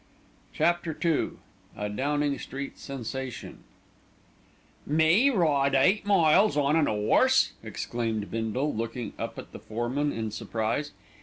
CHAPTER II A DOWNING STREET SENSATION "Me ride eight miles on an 'orse!" exclaimed Bindle, looking up at the foreman in surprise.